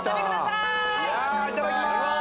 いただきます